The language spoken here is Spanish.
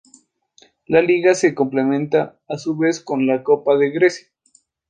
La Liga se complementa a su vez con la Copa de Grecia.